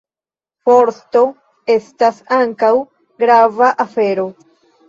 Forsto estas ankaŭ grava afero.